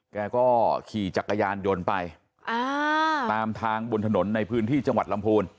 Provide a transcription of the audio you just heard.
แกก็ขี่จักรยานยนต์ไปอ่าตามทางบนถนนในพื้นที่จังหวัดลำพูน